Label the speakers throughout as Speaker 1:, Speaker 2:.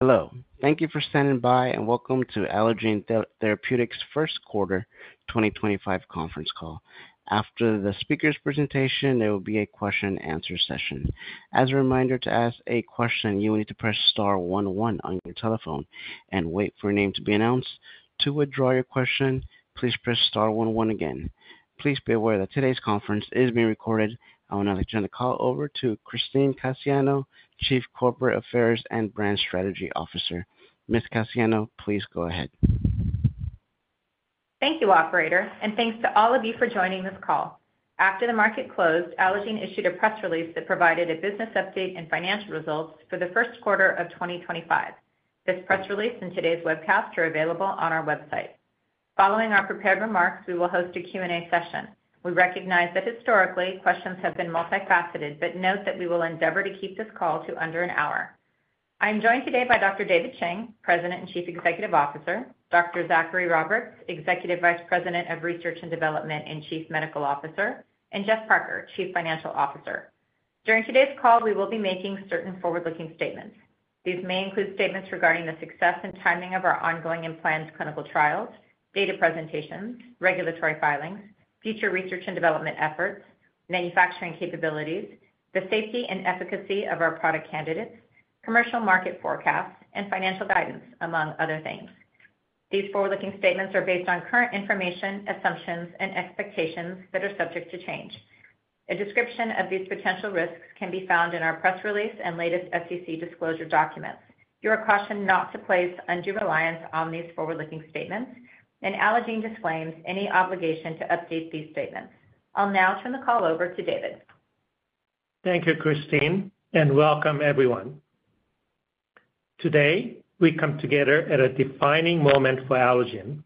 Speaker 1: Hello. Thank you for standing by and welcome to Allogene Therapeutics' first quarter 2025 conference call. After the speaker's presentation, there will be a question-and-answer session. As a reminder, to ask a question, you will need to press star one one on your telephone and wait for your name to be announced. To withdraw your question, please press star one one again. Please be aware that today's conference is being recorded. I will now turn the call over to Christine Cassiano, Chief Corporate Affairs and Brand Strategy Officer. Ms. Cassiano, please go ahead.
Speaker 2: Thank you, Operator, and thanks to all of you for joining this call. After the market closed, Allogene Therapeutics issued a press release that provided a business update and financial results for the first quarter of 2025. This press release and today's webcast are available on our website. Following our prepared remarks, we will host a Q&A session. We recognize that historically, questions have been multifaceted, but note that we will endeavor to keep this call to under an hour. I am joined today by Dr. David Chang, President and Chief Executive Officer; Dr. Zachary Roberts, Executive Vice President of Research and Development and Chief Medical Officer; and Geoff Parker, Chief Financial Officer. During today's call, we will be making certain forward-looking statements. These may include statements regarding the success and timing of our ongoing and planned clinical trials, data presentations, regulatory filings, future research and development efforts, manufacturing capabilities, the safety and efficacy of our product candidates, commercial market forecasts, and financial guidance, among other things. These forward-looking statements are based on current information, assumptions, and expectations that are subject to change. A description of these potential risks can be found in our press release and latest SEC disclosure documents. You are cautioned not to place undue reliance on these forward-looking statements, and Allogene Therapeutics disclaims any obligation to update these statements. I'll now turn the call over to David.
Speaker 3: Thank you, Christine, and welcome, everyone. Today, we come together at a defining moment for Allogene Therapeutics,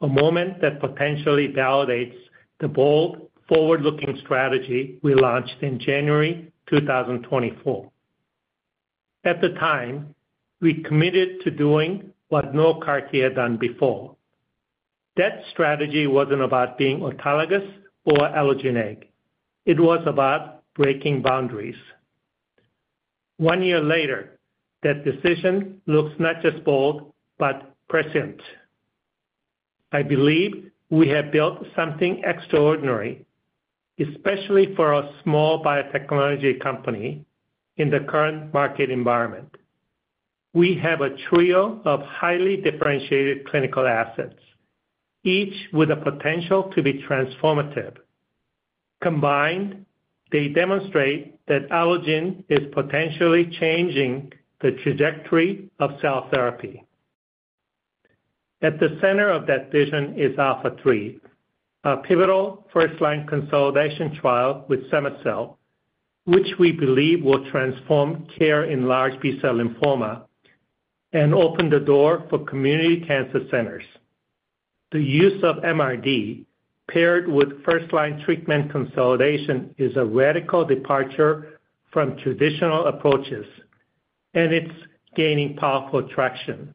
Speaker 3: a moment that potentially validates the bold, forward-looking strategy we launched in January 2024. At the time, we committed to doing what no CAR T had done before. That strategy was not about being autologous or allogeneic. It was about breaking boundaries. One year later, that decision looks not just bold, but prescient. I believe we have built something extraordinary, especially for a small biotechnology company in the current market environment. We have a trio of highly differentiated clinical assets, each with a potential to be transformative. Combined, they demonstrate that Allogene Therapeutics is potentially changing the trajectory of cell therapy. At the center of that vision is ALPHA3, a pivotal first-line consolidation trial with cema-cel, which we believe will transform care in large B-cell lymphoma and open the door for community cancer centers. The use of MRD paired with first-line treatment consolidation is a radical departure from traditional approaches, and it's gaining powerful traction.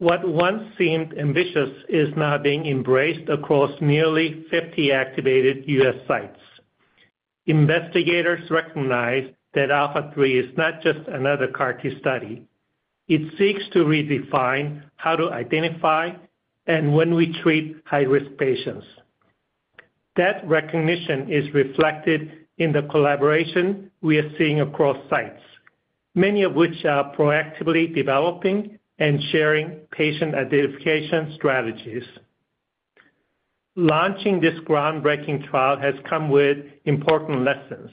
Speaker 3: What once seemed ambitious is now being embraced across nearly 50 activated U.S. sites. Investigators recognize that ALPHA3 is not just another CAR T study. It seeks to redefine how to identify and when we treat high-risk patients. That recognition is reflected in the collaboration we are seeing across sites, many of which are proactively developing and sharing patient identification strategies. Launching this groundbreaking trial has come with important lessons.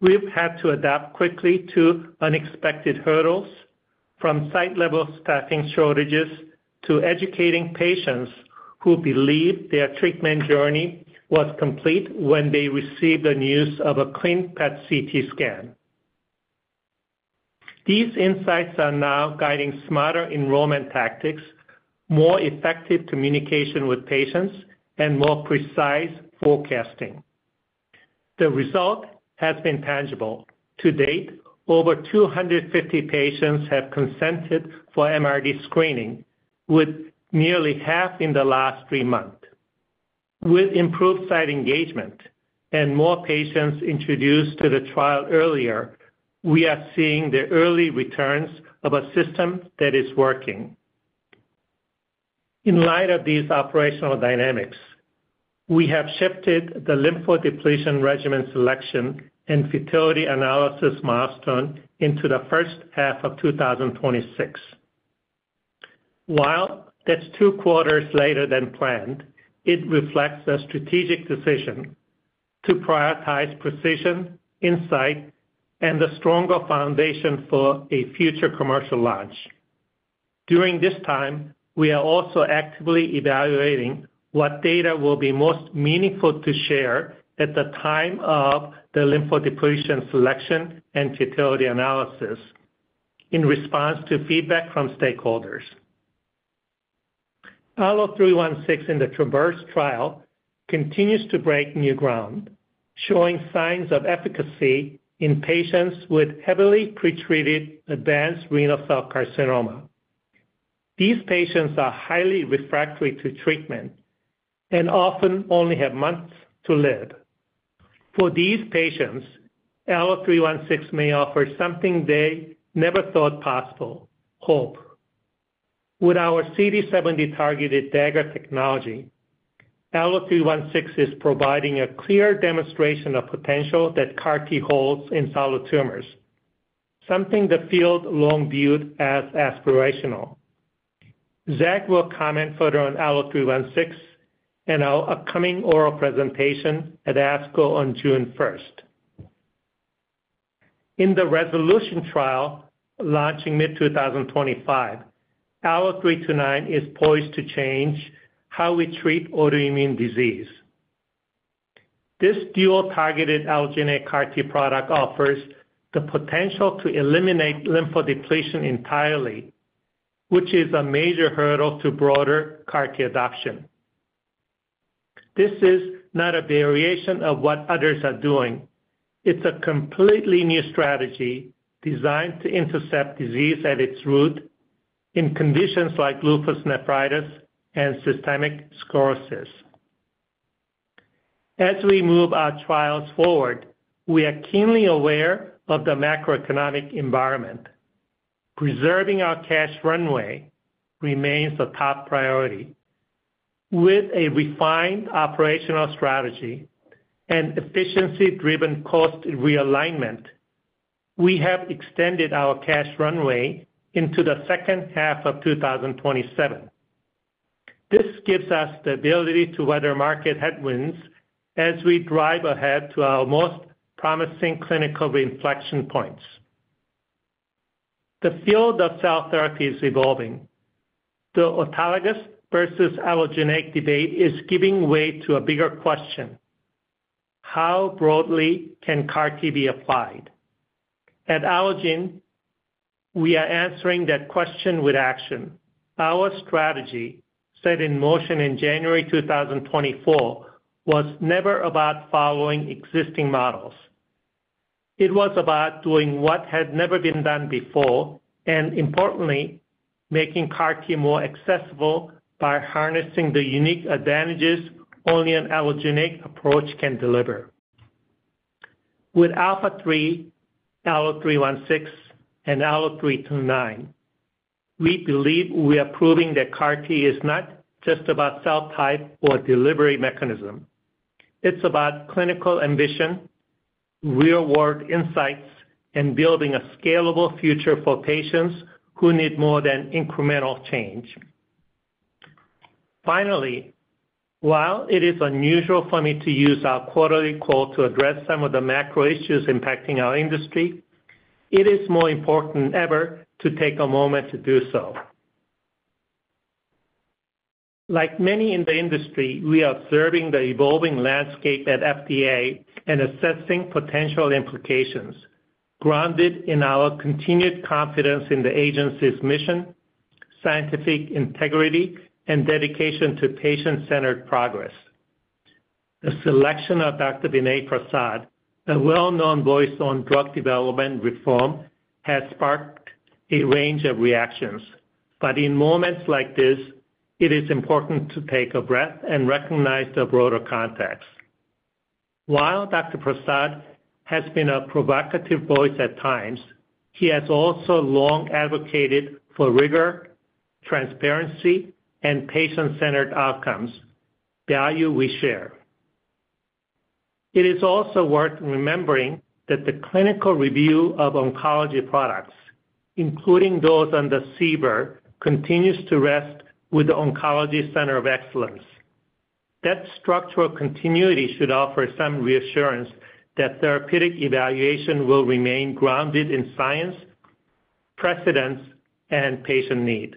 Speaker 3: We've had to adapt quickly to unexpected hurdles, from site-level staffing shortages to educating patients who believe their treatment journey was complete when they received the news of a clean PET-CT scan. These insights are now guiding smarter enrollment tactics, more effective communication with patients, and more precise forecasting. The result has been tangible. To date, over 250 patients have consented for MRD screening, with nearly half in the last three months. With improved site engagement and more patients introduced to the trial earlier, we are seeing the early returns of a system that is working. In light of these operational dynamics, we have shifted the lymphodepletion regimen selection and fertility analysis milestone into the first half of 2026. While that's two quarters later than planned, it reflects a strategic decision to prioritize precision, insight, and a stronger foundation for a future commercial launch. During this time, we are also actively evaluating what data will be most meaningful to share at the time of the lymphodepletion selection and fertility analysis, in response to feedback from stakeholders. ALLO-316 in the TRAVERSE trial continues to break new ground, showing signs of efficacy in patients with heavily pretreated advanced renal cell carcinoma. These patients are highly refractory to treatment and often only have months to live. For these patients, ALLO-316 may offer something they never thought possible: hope. With our CD70-targeted Dagger technology, ALLO-316 is providing a clear demonstration of potential that CAR T holds in solid tumors, something the field long viewed as aspirational. Zach will comment further on ALLO-316 and our upcoming oral presentation at ASCO on June 1. In the RESOLUTION trial launching mid-2025, ALLO-329 is poised to change how we treat autoimmune disease. This dual-targeted Allogene CAR T product offers the potential to eliminate lymphodepletion entirely, which is a major hurdle to broader CAR T adoption. This is not a variation of what others are doing. It's a completely new strategy designed to intercept disease at its root in conditions like lupus nephritis and systemic sclerosis. As we move our trials forward, we are keenly aware of the macroeconomic environment. Preserving our cash runway remains a top priority. With a refined operational strategy and efficiency-driven cost realignment, we have extended our cash runway into the second half of 2027. This gives us the ability to weather market headwinds as we drive ahead to our most promising clinical inflection points. The field of cell therapy is evolving. The autologous versus allogeneic debate is giving way to a bigger question: how broadly can CAR T be applied? At Allogene, we are answering that question with action. Our strategy, set in motion in January 2024, was never about following existing models. It was about doing what had never been done before and, importantly, making CAR T more accessible by harnessing the unique advantages only an allogeneic approach can deliver. With ALPHA3, ALLO-316, and ALLO-329, we believe we are proving that CAR T is not just about cell type or delivery mechanism. It's about clinical ambition, real-world insights, and building a scalable future for patients who need more than incremental change. Finally, while it is unusual for me to use our quarterly call to address some of the macro issues impacting our industry, it is more important than ever to take a moment to do so. Like many in the industry, we are observing the evolving landscape at FDA and assessing potential implications, grounded in our continued confidence in the agency's mission, scientific integrity, and dedication to patient-centered progress. The selection of Dr. Vinay Prasad, a well-known voice on drug development reform, has sparked a range of reactions, but in moments like this, it is important to take a breath and recognize the broader context. While Dr. Prasad has been a provocative voice at times, he has also long advocated for rigor, transparency, and patient-centered outcomes, values we share. It is also worth remembering that the clinical review of oncology products, including those under CBER, continues to rest with the Oncology Center of Excellence. That structural continuity should offer some reassurance that therapeutic evaluation will remain grounded in science, precedence, and patient need.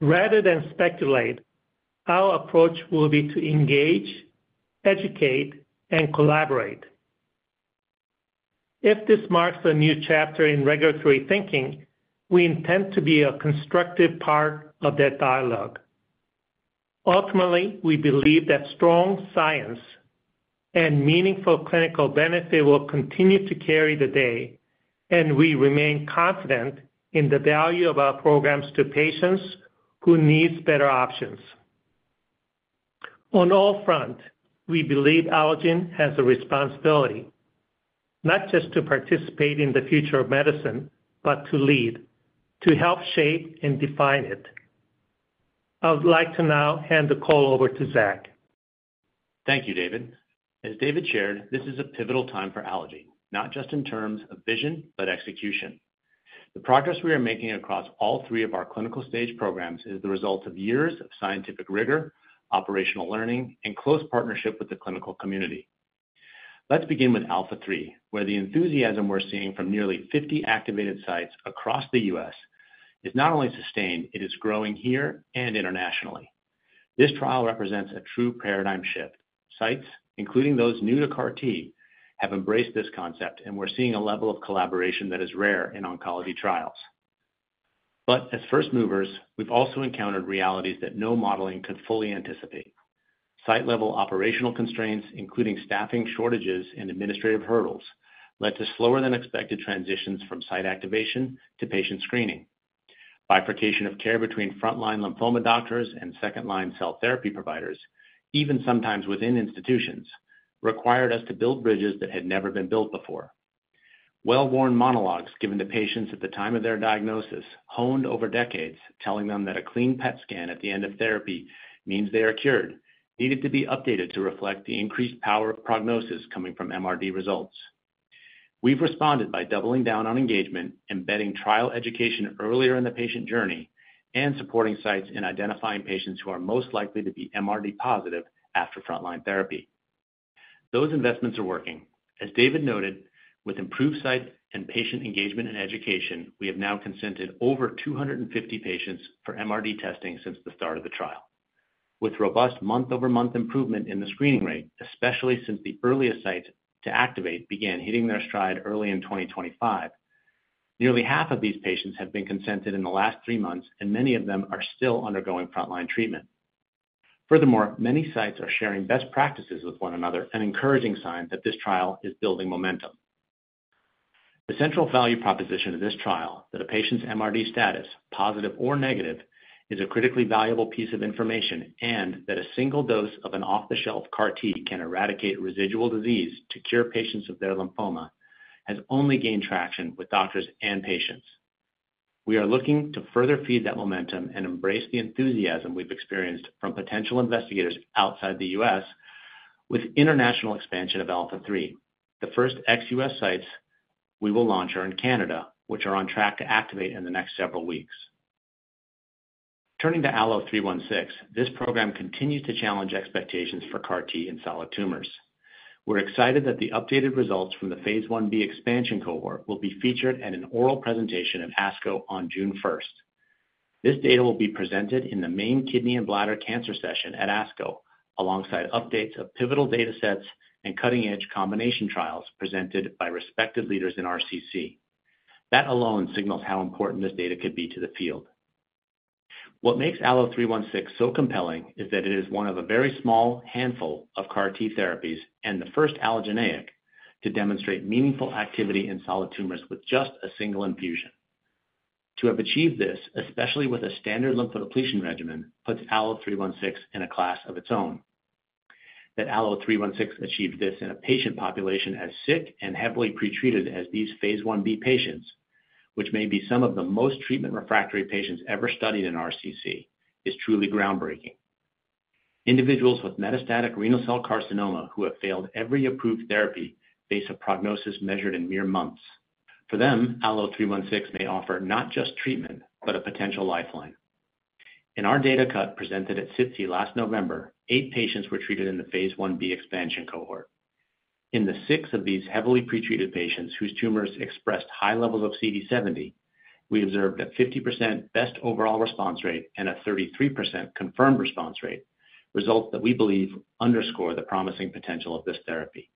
Speaker 3: Rather than speculate, our approach will be to engage, educate, and collaborate. If this marks a new chapter in regulatory thinking, we intend to be a constructive part of that dialogue. Ultimately, we believe that strong science and meaningful clinical benefit will continue to carry the day, and we remain confident in the value of our programs to patients who need better options. On all fronts, we believe Allogene has a responsibility, not just to participate in the future of medicine, but to lead, to help shape and define it. I would like to now hand the call over to Zach.
Speaker 4: Thank you, David. As David shared, this is a pivotal time for Allogene, not just in terms of vision, but execution. The progress we are making across all three of our clinical stage programs is the result of years of scientific rigor, operational learning, and close partnership with the clinical community. Let's begin with ALPHA3, where the enthusiasm we're seeing from nearly 50 activated sites across the U.S. is not only sustained, it is growing here and internationally. This trial represents a true paradigm shift. Sites, including those new to CAR T, have embraced this concept, and we're seeing a level of collaboration that is rare in oncology trials. As first movers, we've also encountered realities that no modeling could fully anticipate. Site-level operational constraints, including staffing shortages and administrative hurdles, led to slower-than-expected transitions from site activation to patient screening. Bifurcation of care between front-line lymphoma doctors and second-line cell therapy providers, even sometimes within institutions, required us to build bridges that had never been built before. Well-worn monologues given to patients at the time of their diagnosis, honed over decades, telling them that a clean PET-CT scan at the end of therapy means they are cured, needed to be updated to reflect the increased power of prognosis coming from MRD results. We have responded by doubling down on engagement, embedding trial education earlier in the patient journey, and supporting sites in identifying patients who are most likely to be MRD positive after front-line therapy. Those investments are working. As David noted, with improved site and patient engagement and education, we have now consented over 250 patients for MRD testing since the start of the trial. With robust month-over-month improvement in the screening rate, especially since the earliest sites to activate began hitting their stride early in 2025, nearly half of these patients have been consented in the last three months, and many of them are still undergoing front-line treatment. Furthermore, many sites are sharing best practices with one another and encouraging signs that this trial is building momentum. The central value proposition of this trial, that a patient's MRD status, positive or negative, is a critically valuable piece of information, and that a single dose of an off-the-shelf CAR T can eradicate residual disease to cure patients of their lymphoma, has only gained traction with doctors and patients. We are looking to further feed that momentum and embrace the enthusiasm we've experienced from potential investigators outside the U.S. with international expansion of ALPHA3. The first ex-U.S. Sites we will launch are in Canada, which are on track to activate in the next several weeks. Turning to ALLO-316, this program continues to challenge expectations for CAR T in solid tumors. We're excited that the updated results from the phase 1b expansion cohort will be featured at an oral presentation at ASCO on June 1st. This data will be presented in the main kidney and bladder cancer session at ASCO, alongside updates of pivotal data sets and cutting-edge combination trials presented by respected leaders in RCC. That alone signals how important this data could be to the field. What makes ALLO-316 so compelling is that it is one of a very small handful of CAR T therapies and the first allogeneic to demonstrate meaningful activity in solid tumors with just a single infusion. To have achieved this, especially with a standard lymphodepletion regimen, puts ALLO-316 in a class of its own. That ALLO-316 achieved this in a patient population as sick and heavily pretreated as these phase 1b patients, which may be some of the most treatment-refractory patients ever studied in RCC, is truly groundbreaking. Individuals with metastatic renal cell carcinoma who have failed every approved therapy face a prognosis measured in mere months. For them, ALLO-316 may offer not just treatment, but a potential lifeline. In our data cut presented at CITSI last November, eight patients were treated in the phase 1b expansion cohort. In the six of these heavily pretreated patients whose tumors expressed high levels of CD70, we observed a 50% best overall response rate and a 33% confirmed response rate, results that we believe underscore the promising potential of this therapy.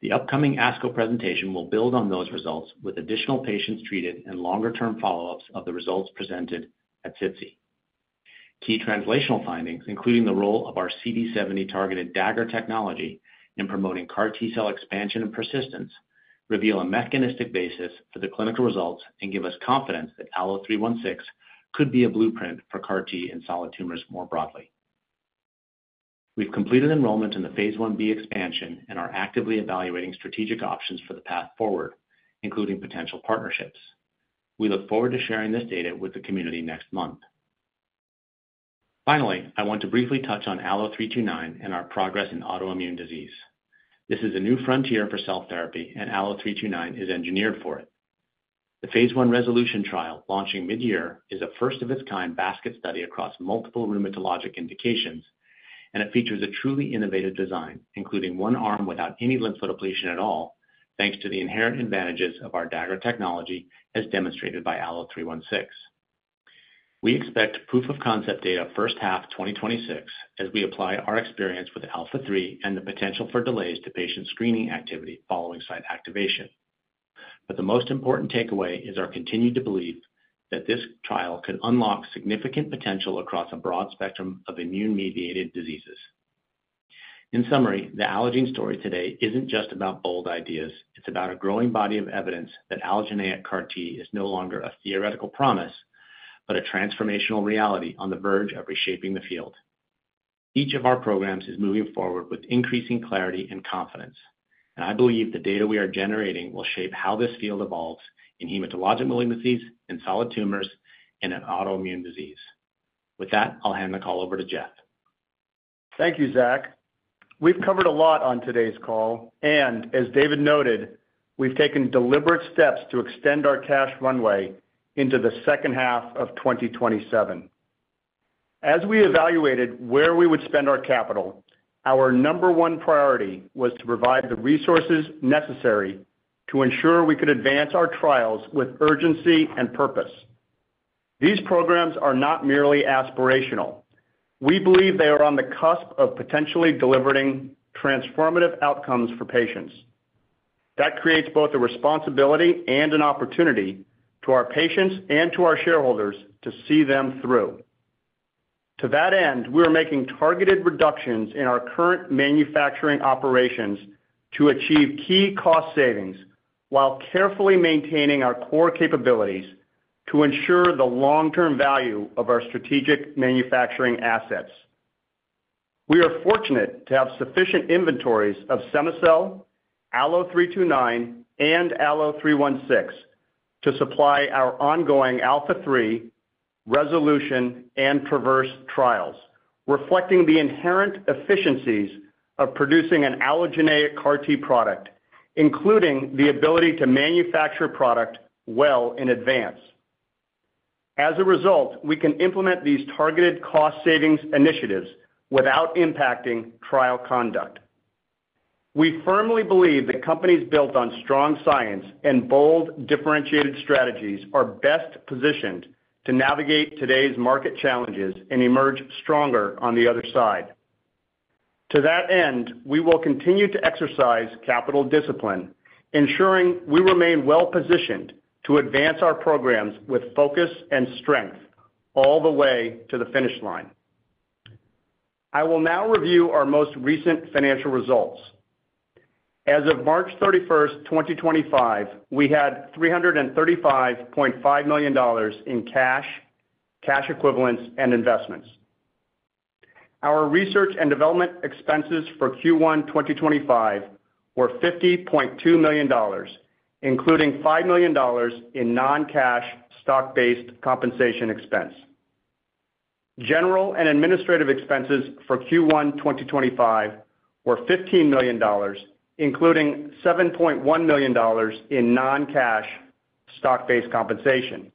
Speaker 4: The upcoming ASCO presentation will build on those results with additional patients treated and longer-term follow-ups of the results presented at CITSI. Key translational findings, including the role of our CD70-targeted Dagger technology in promoting CAR T cell expansion and persistence, reveal a mechanistic basis for the clinical results and give us confidence that ALLO-316 could be a blueprint for CAR T in solid tumors more broadly. We've completed enrollment in the phase 1b expansion and are actively evaluating strategic options for the path forward, including potential partnerships. We look forward to sharing this data with the community next month. Finally, I want to briefly touch on ALLO-329 and our progress in autoimmune disease. This is a new frontier for cell therapy, and ALLO-329 is engineered for it. The phase 1 RESOLUTION trial, launching mid-year, is a first-of-its-kind basket study across multiple rheumatologic indications, and it features a truly innovative design, including one arm without any lymphodepletion at all, thanks to the inherent advantages of our Dagger technology, as demonstrated by ALLO-316. We expect proof-of-concept data first half 2026 as we apply our experience with ALPHA3 and the potential for delays to patient screening activity following site activation. The most important takeaway is our continued belief that this trial could unlock significant potential across a broad spectrum of immune-mediated diseases. In summary, the Allogene story today is not just about bold ideas. It is about a growing body of evidence that allogeneic CAR T is no longer a theoretical promise, but a transformational reality on the verge of reshaping the field. Each of our programs is moving forward with increasing clarity and confidence, and I believe the data we are generating will shape how this field evolves in hematologic malignancies, in solid tumors, and in autoimmune disease. With that, I'll hand the call over to Geoff.
Speaker 5: Thank you, Zach. We've covered a lot on today's call, and as David noted, we've taken deliberate steps to extend our cash runway into the second half of 2027. As we evaluated where we would spend our capital, our number one priority was to provide the resources necessary to ensure we could advance our trials with urgency and purpose. These programs are not merely aspirational. We believe they are on the cusp of potentially delivering transformative outcomes for patients. That creates both a responsibility and an opportunity to our patients and to our shareholders to see them through. To that end, we are making targeted reductions in our current manufacturing operations to achieve key cost savings while carefully maintaining our core capabilities to ensure the long-term value of our strategic manufacturing assets. We are fortunate to have sufficient inventories of cema-cel, ALLO-329, and ALLO-316 to supply our ongoing ALPHA3, RESOLUTION, and TRAVERSE trials, reflecting the inherent efficiencies of producing an allogeneic CAR T product, including the ability to manufacture product well in advance. As a result, we can implement these targeted cost savings initiatives without impacting trial conduct. We firmly believe that companies built on strong science and bold differentiated strategies are best positioned to navigate today's market challenges and emerge stronger on the other side. To that end, we will continue to exercise capital discipline, ensuring we remain well positioned to advance our programs with focus and strength all the way to the finish line. I will now review our most recent financial results. As of March 31, 2025, we had $335.5 million in cash, cash equivalents, and investments. Our research and development expenses for Q1 2025 were $50.2 million, including $5 million in non-cash stock-based compensation expense. General and administrative expenses for Q1 2025 were $15 million, including $7.1 million in non-cash stock-based compensation.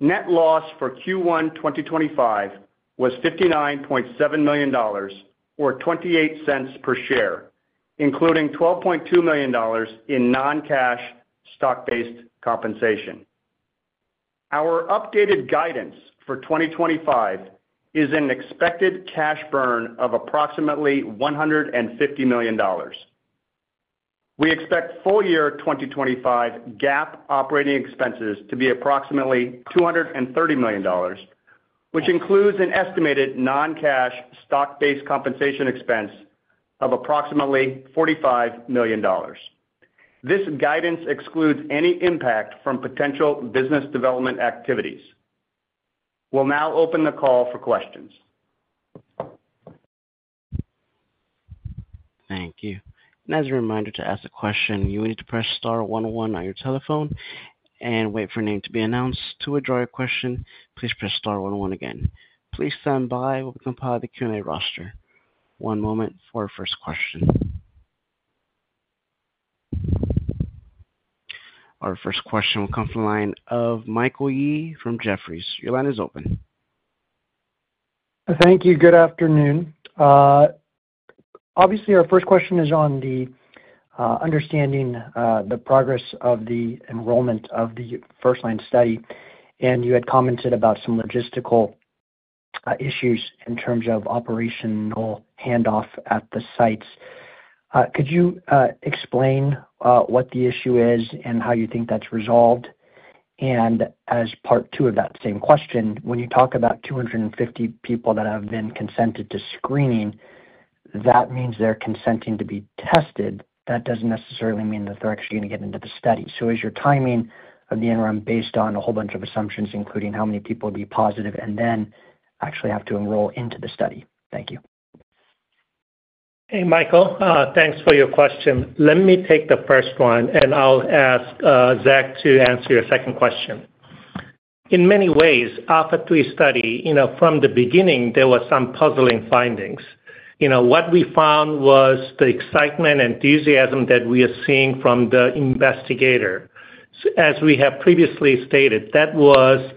Speaker 5: Net loss for Q1 2025 was $59.7 million, or $0.28 per share, including $12.2 million in non-cash stock-based compensation. Our updated guidance for 2025 is an expected cash burn of approximately $150 million. We expect full year 2025 GAAP operating expenses to be approximately $230 million, which includes an estimated non-cash stock-based compensation expense of approximately $45 million. This guidance excludes any impact from potential business development activities. We'll now open the call for questions.
Speaker 1: Thank you. As a reminder to ask a question, you will need to press star one one on your telephone and wait for a name to be announced. To withdraw your question, please press star one one again. Please stand by while we compile the Q&A roster. One moment for our first question. Our first question will come from the line of Michael Yee from Jefferies. Your line is open.
Speaker 6: Thank you. Good afternoon. Obviously, our first question is on the understanding the progress of the enrollment of the first-line study, and you had commented about some logistical issues in terms of operational handoff at the sites. Could you explain what the issue is and how you think that's resolved? As part two of that same question, when you talk about 250 people that have been consented to screening, that means they're consenting to be tested. That doesn't necessarily mean that they're actually going to get into the study. Is your timing of the interim based on a whole bunch of assumptions, including how many people would be positive and then actually have to enroll into the study? Thank you.
Speaker 3: Hey, Michael. Thanks for your question. Let me take the first one, and I'll ask Zach to answer your second question. In many ways, ALPHA3 study, from the beginning, there were some puzzling findings. What we found was the excitement and enthusiasm that we are seeing from the investigator. As we have previously stated, that was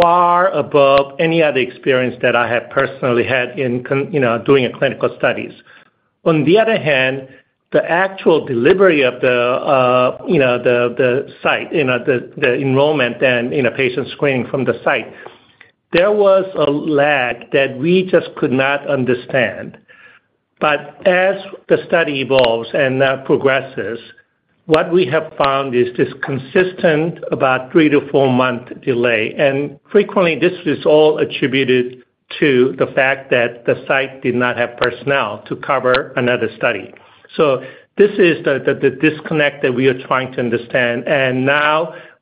Speaker 3: far above any other experience that I have personally had in doing clinical studies. On the other hand, the actual delivery of the site, the enrollment, and patient screening from the site, there was a lag that we just could not understand. As the study evolves and progresses, what we have found is this consistent about three to four-month delay. Frequently, this is all attributed to the fact that the site did not have personnel to cover another study. This is the disconnect that we are trying to understand.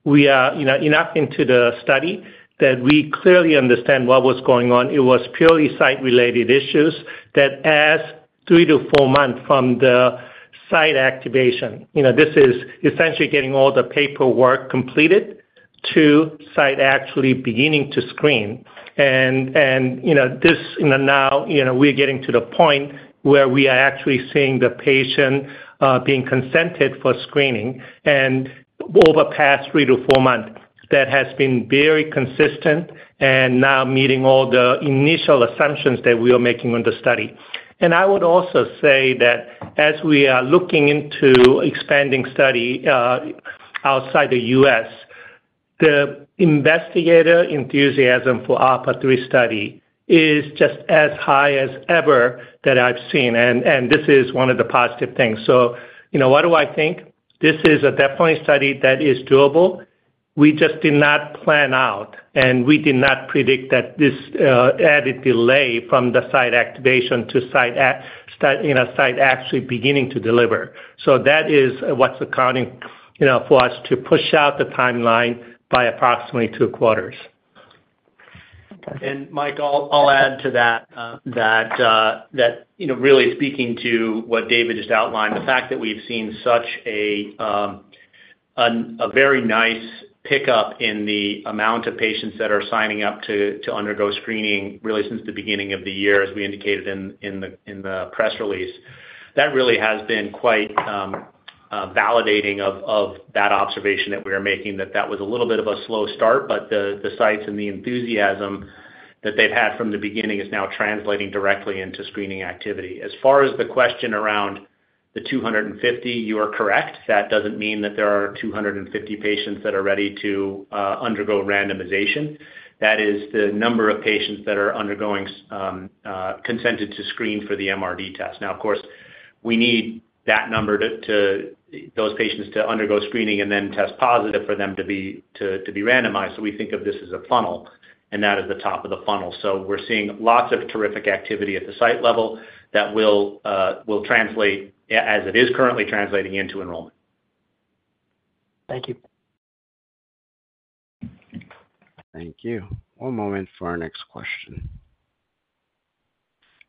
Speaker 3: We are enough into the study that we clearly understand what was going on. It was purely site-related issues that as three to four months from the site activation, this is essentially getting all the paperwork completed to site actually beginning to screen. We are getting to the point where we are actually seeing the patient being consented for screening. Over the past three to four months, that has been very consistent and now meeting all the initial assumptions that we are making on the study. I would also say that as we are looking into expanding study outside the U.S., the investigator enthusiasm for ALPHA3 study is just as high as ever that I've seen. This is one of the positive things. What do I think? This is definitely a study that is doable. We just did not plan out, and we did not predict that this added delay from the site activation to site actually beginning to deliver. That is what's accounting for us to push out the timeline by approximately two quarters.
Speaker 4: Michael, I'll add to that that really speaking to what David just outlined, the fact that we've seen such a very nice pickup in the amount of patients that are signing up to undergo screening really since the beginning of the year, as we indicated in the press release, that really has been quite validating of that observation that we are making, that that was a little bit of a slow start, but the sites and the enthusiasm that they've had from the beginning is now translating directly into screening activity. As far as the question around the 250, you are correct. That doesn't mean that there are 250 patients that are ready to undergo randomization. That is the number of patients that are undergoing consented to screen for the MRD test. Now, of course, we need that number to those patients to undergo screening and then test positive for them to be randomized. We think of this as a funnel, and that is the top of the funnel. We are seeing lots of terrific activity at the site level that will translate, as it is currently translating, into enrollment.
Speaker 6: Thank you.
Speaker 1: Thank you. One moment for our next question.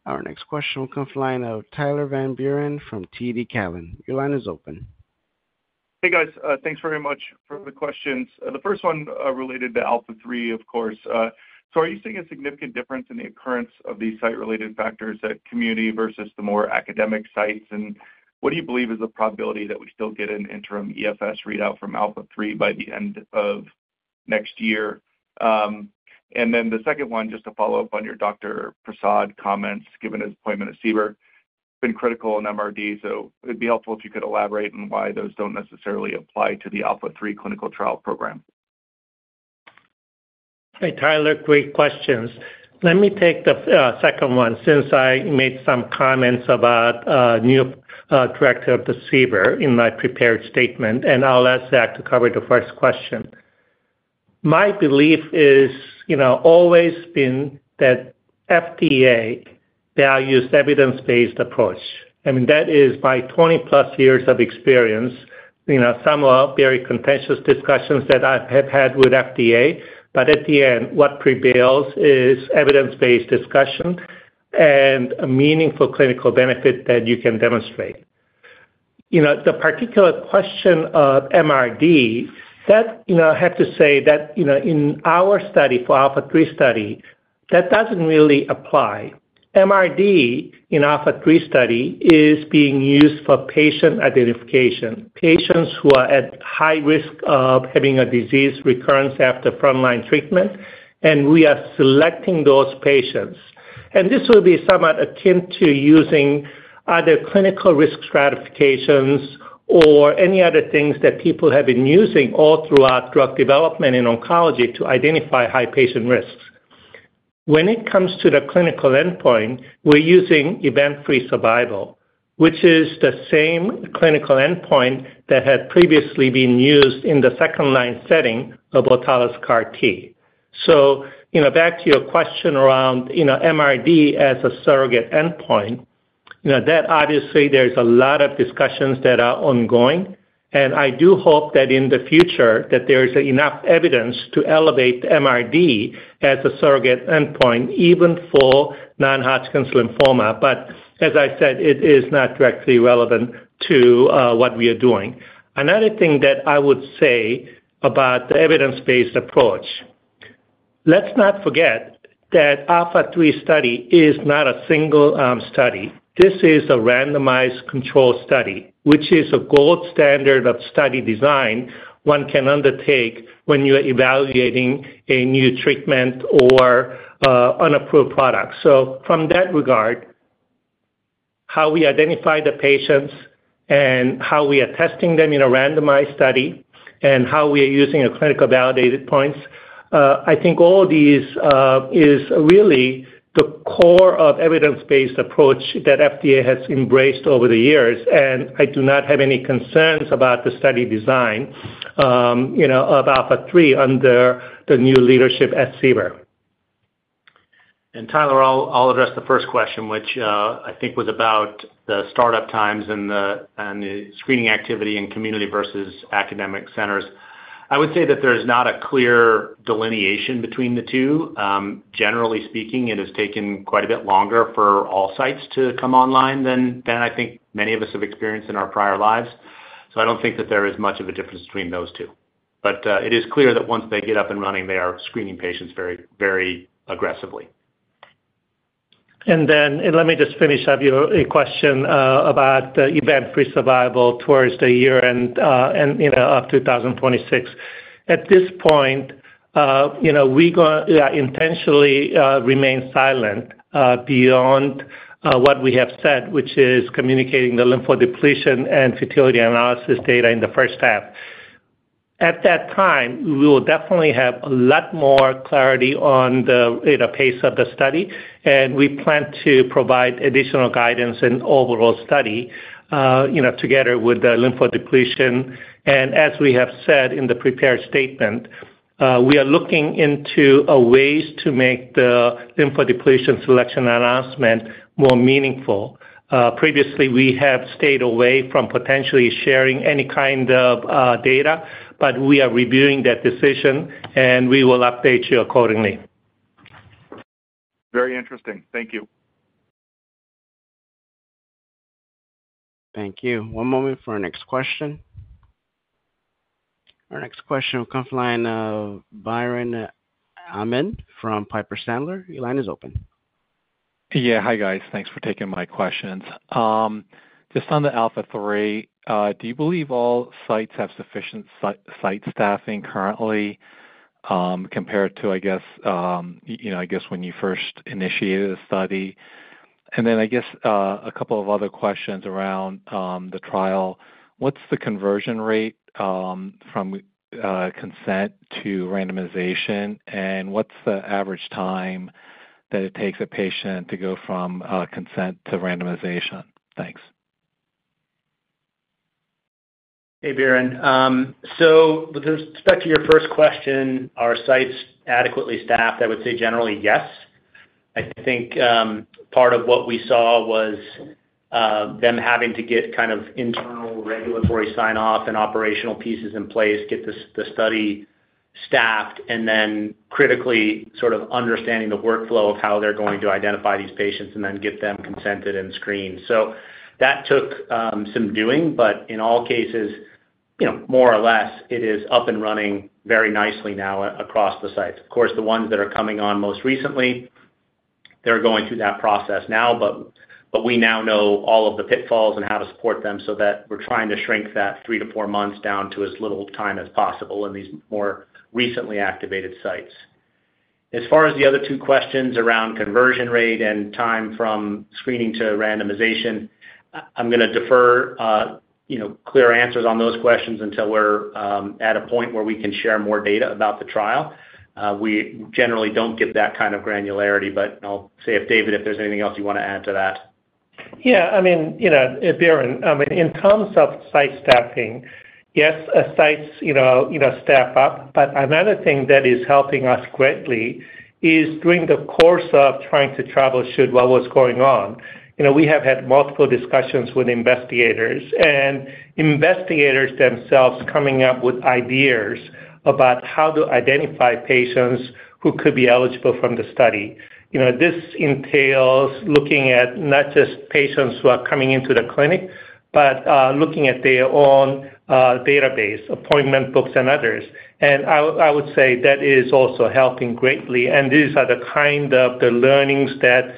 Speaker 1: Our next question will come from Tyler Van Buren from TD Cowen. Your line is open.
Speaker 7: Hey, guys. Thanks very much for the questions. The first one related to ALPHA3, of course. Are you seeing a significant difference in the occurrence of these site-related factors at community versus the more academic sites? What do you believe is the probability that we still get an interim EFS readout from ALPHA3 by the end of next year? The second one, just to follow up on your Dr. Prasad comments, given his appointment at CBER, it's been critical in MRD. It'd be helpful if you could elaborate on why those don't necessarily apply to the ALPHA3 clinical trial program.
Speaker 3: Hey, Tyler, quick questions. Let me take the second one since I made some comments about new director of the CBER in my prepared statement, and I'll ask Zach to cover the first question. My belief has always been that FDA values evidence-based approach. I mean, that is my 20-plus years of experience. Some are very contentious discussions that I have had with FDA, but at the end, what prevails is evidence-based discussion and a meaningful clinical benefit that you can demonstrate. The particular question of MRD, I have to say that in our study for ALPHA3 study, that doesn't really apply. MRD in ALPHA3 study is being used for patient identification, patients who are at high risk of having a disease recurrence after frontline treatment, and we are selecting those patients. This will be somewhat akin to using other clinical risk stratifications or any other things that people have been using all throughout drug development in oncology to identify high patient risks. When it comes to the clinical endpoint, we're using event-free survival, which is the same clinical endpoint that had previously been used in the second-line setting of CAR T. Back to your question around MRD as a surrogate endpoint, obviously there's a lot of discussions that are ongoing. I do hope that in the future, there is enough evidence to elevate MRD as a surrogate endpoint, even for non-Hodgkin's lymphoma. As I said, it is not directly relevant to what we are doing. Another thing that I would say about the evidence-based approach, let's not forget that ALPHA3 study is not a single study. This is a randomized control study, which is a gold standard of study design one can undertake when you're evaluating a new treatment or unapproved product. From that regard, how we identify the patients and how we are testing them in a randomized study and how we are using our clinical validated points, I think all of these is really the core of evidence-based approach that FDA has embraced over the years. I do not have any concerns about the study design of ALPHA3 under the new leadership at CBER.
Speaker 4: Tyler, I'll address the first question, which I think was about the startup times and the screening activity in community versus academic centers. I would say that there is not a clear delineation between the two. Generally speaking, it has taken quite a bit longer for all sites to come online than I think many of us have experienced in our prior lives. I don't think that there is much of a difference between those two. It is clear that once they get up and running, they are screening patients very aggressively.
Speaker 3: Let me just finish. I have a question about the event-free survival towards the year end of 2026. At this point, we intentionally remain silent beyond what we have said, which is communicating the lymphodepletion and fertility analysis data in the first half. At that time, we will definitely have a lot more clarity on the pace of the study, and we plan to provide additional guidance and overall study together with the lymphodepletion. As we have said in the prepared statement, we are looking into ways to make the lymphodepletion selection announcement more meaningful. Previously, we have stayed away from potentially sharing any kind of data, but we are reviewing that decision, and we will update you accordingly.
Speaker 7: Very interesting. Thank you.
Speaker 1: Thank you. One moment for our next question. Our next question will come from Biren Amin from Piper Sandler. Your line is open.
Speaker 8: Yeah. Hi, guys. Thanks for taking my questions. Just on the ALPHA3, do you believe all sites have sufficient site staffing currently compared to, I guess, when you first initiated the study? I guess a couple of other questions around the trial. What's the conversion rate from consent to randomization, and what's the average time that it takes a patient to go from consent to randomization? Thanks.
Speaker 4: Hey, Biren. With respect to your first question, are sites adequately staffed? I would say generally, yes. I think part of what we saw was them having to get kind of internal regulatory sign-off and operational pieces in place, get the study staffed, and then critically sort of understanding the workflow of how they're going to identify these patients and then get them consented and screened. That took some doing, but in all cases, more or less, it is up and running very nicely now across the sites. Of course, the ones that are coming on most recently are going through that process now, but we now know all of the pitfalls and how to support them so that we're trying to shrink that three to four months down to as little time as possible in these more recently activated sites. As far as the other two questions around conversion rate and time from screening to randomization, I'm going to defer clear answers on those questions until we're at a point where we can share more data about the trial. We generally don't give that kind of granularity, but I'll say, David, if there's anything else you want to add to that.
Speaker 3: Yeah. I mean, Biren, in terms of site staffing, yes, sites staff up, but another thing that is helping us greatly is during the course of trying to troubleshoot what was going on. We have had multiple discussions with investigators, and investigators themselves coming up with ideas about how to identify patients who could be eligible from the study. This entails looking at not just patients who are coming into the clinic, but looking at their own database, appointment books, and others. I would say that is also helping greatly. These are the kind of learnings that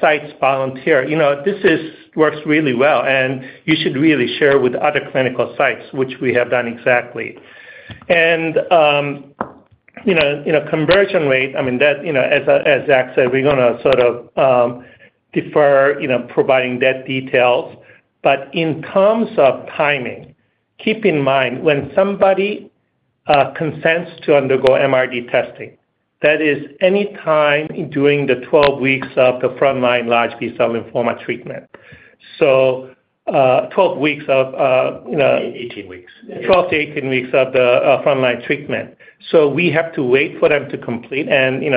Speaker 3: sites volunteer. This works really well, and you should really share with other clinical sites, which we have done exactly. Conversion rate, I mean, as Zach said, we're going to sort of defer providing that details. In terms of timing, keep in mind when somebody consents to undergo MRD testing, that is any time during the 12 weeks of the frontline large B-cell lymphoma treatment. So 12 weeks of.
Speaker 4: 18 weeks.
Speaker 3: Twelve to eighteen weeks of the frontline treatment. We have to wait for them to complete.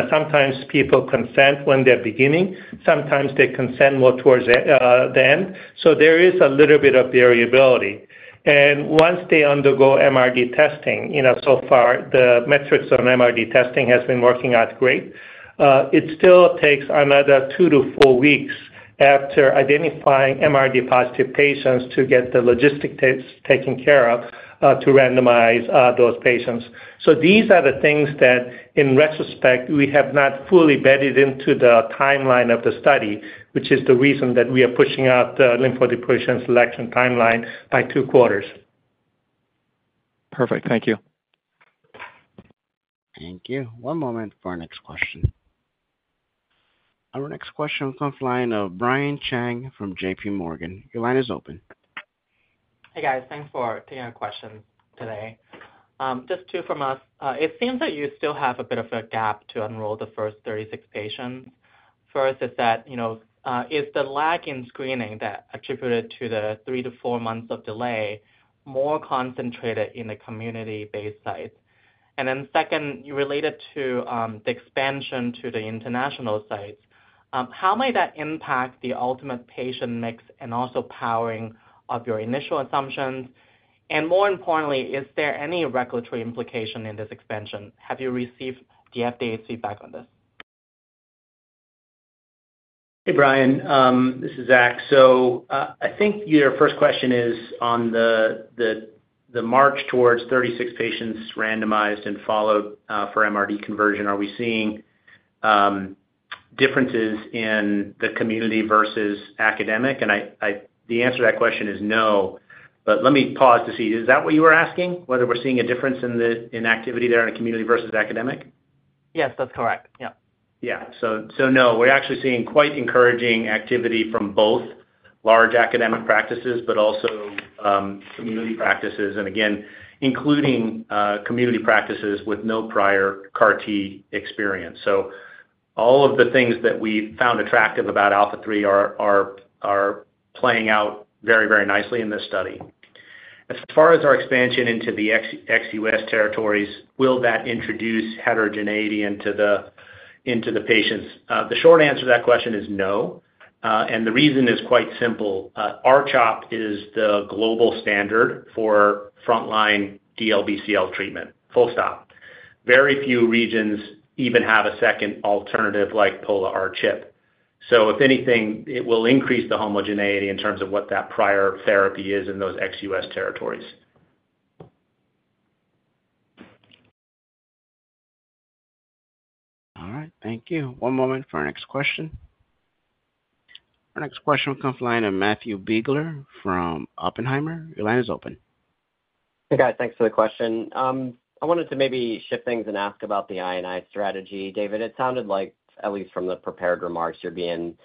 Speaker 3: Sometimes people consent when they're beginning. Sometimes they consent more towards the end. There is a little bit of variability. Once they undergo MRD testing, so far, the metrics on MRD testing have been working out great. It still takes another two to four weeks after identifying MRD-positive patients to get the logistics taken care of to randomize those patients. These are the things that, in retrospect, we have not fully bedded into the timeline of the study, which is the reason that we are pushing out the lymphodepletion selection timeline by two quarters.
Speaker 8: Perfect. Thank you.
Speaker 1: Thank you. One moment for our next question. Our next question will come from Brian Cheng from JPMorgan. Your line is open.
Speaker 9: Hey, guys. Thanks for taking our questions today. Just two from us. It seems that you still have a bit of a gap to enroll the first 36 patients. First, is the lag in screening that attributed to the three to four months of delay more concentrated in the community-based sites? Second, related to the expansion to the international sites, how might that impact the ultimate patient mix and also powering of your initial assumptions? More importantly, is there any regulatory implication in this expansion? Have you received the FDA's feedback on this?
Speaker 4: Hey, Brian. This is Zach. I think your first question is on the march towards 36 patients randomized and followed for MRD conversion. Are we seeing differences in the community versus academic? The answer to that question is no. Let me pause to see. Is that what you were asking, whether we're seeing a difference in activity there in community versus academic?
Speaker 9: Yes, that's correct. Yeah.
Speaker 4: Yeah. No, we're actually seeing quite encouraging activity from both large academic practices, but also community practices, and again, including community practices with no prior CAR T experience. All of the things that we found attractive about ALPHA3 are playing out very, very nicely in this study. As far as our expansion into the ex-U.S. territories, will that introduce heterogeneity into the patients? The short answer to that question is no. The reason is quite simple. R-CHOP is the global standard for frontline DLBCL treatment. Full stop. Very few regions even have a second alternative like Pola R-CHP. If anything, it will increase the homogeneity in terms of what that prior therapy is in those ex-U.S. territories.
Speaker 1: All right. Thank you. One moment for our next question. Our next question will come from Matthew Biegler from Oppenheimer. Your line is open.
Speaker 10: Hey, guys. Thanks for the question. I wanted to maybe shift things and ask about the INI strategy. David, it sounded like, at least from the prepared remarks, you're being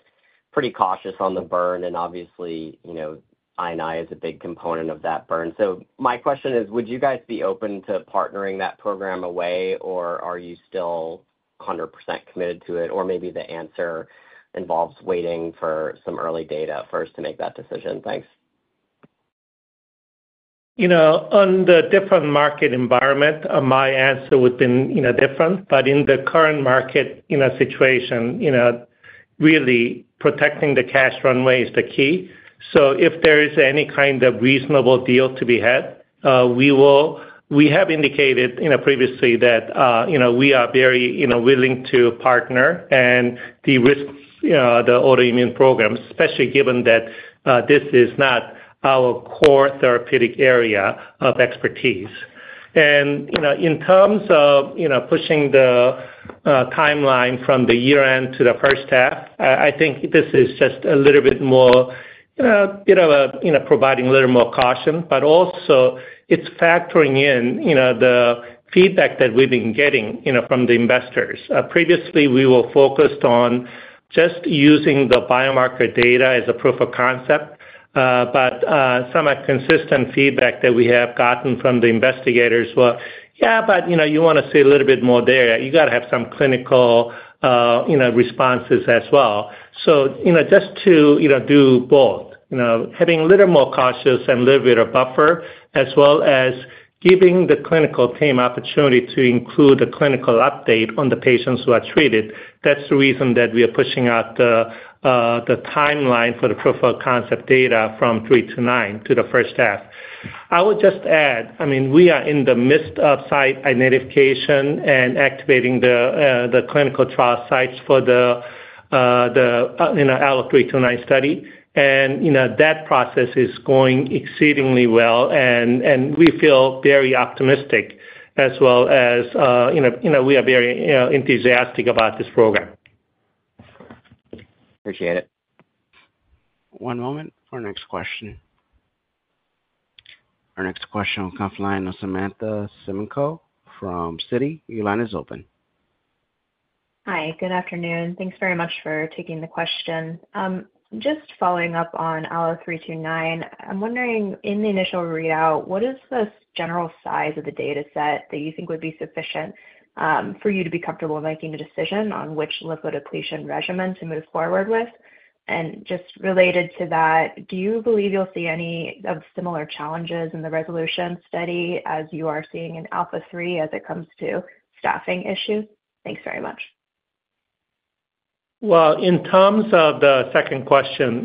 Speaker 10: pretty cautious on the burn. Obviously, INI is a big component of that burn. My question is, would you guys be open to partnering that program away, or are you still 100% committed to it? Or maybe the answer involves waiting for some early data first to make that decision. Thanks.
Speaker 3: In a different market environment, my answer would be different. In the current market situation, really protecting the cash runway is the key. If there is any kind of reasonable deal to be had, we have indicated previously that we are very willing to partner and de-risk the autoimmune programs, especially given that this is not our core therapeutic area of expertise. In terms of pushing the timeline from the year end to the first half, I think this is just providing a little more caution. It is also factoring in the feedback that we have been getting from the investors. Previously, we were focused on just using the biomarker data as a proof of concept. Some consistent feedback that we have gotten from the investigators was, "Yeah, but you want to see a little bit more there. You got to have some clinical responses as well. Just to do both, having a little more cautious and a little bit of buffer, as well as giving the clinical team opportunity to include a clinical update on the patients who are treated. That is the reason that we are pushing out the timeline for the proof of concept data from three to nine to the first half. I would just add, I mean, we are in the midst of site identification and activating the clinical trial sites for the ALLO-329 study. That process is going exceedingly well. We feel very optimistic as well as we are very enthusiastic about this program.
Speaker 10: Appreciate it.
Speaker 1: One moment for our next question. Our next question will come from Samantha Semenkow from Citi. Your line is open.
Speaker 11: Hi. Good afternoon. Thanks very much for taking the question. Just following up on ALLO-329, I'm wondering, in the initial readout, what is the general size of the dataset that you think would be sufficient for you to be comfortable making a decision on which lymphodepletion regimen to move forward with? Just related to that, do you believe you'll see any of similar challenges in the RESOLUTION study as you are seeing in ALPHA3 as it comes to staffing issues? Thanks very much.
Speaker 3: In terms of the second question,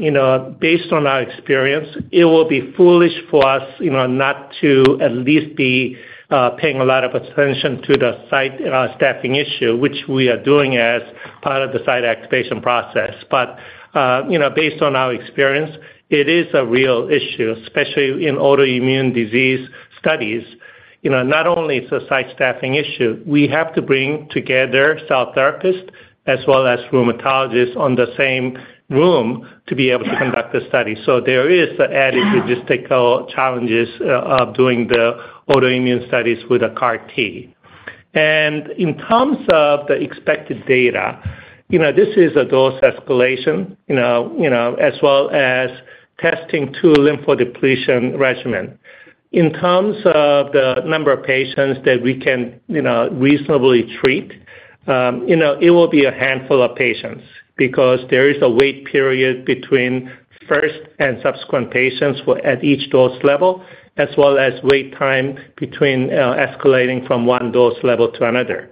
Speaker 3: based on our experience, it would be foolish for us not to at least be paying a lot of attention to the site staffing issue, which we are doing as part of the site activation process. Based on our experience, it is a real issue, especially in autoimmune disease studies. Not only is it a site staffing issue, we have to bring together cell therapists as well as rheumatologists in the same room to be able to conduct the study. There are added logistical challenges of doing the autoimmune studies with a CAR T. In terms of the expected data, this is a dose escalation as well as testing two lymphodepletion regimens. In terms of the number of patients that we can reasonably treat, it will be a handful of patients because there is a wait period between first and subsequent patients at each dose level, as well as wait time between escalating from one dose level to another.